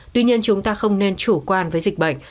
tuy nhiên chúng ta không nên chủ quan với dịch bệnh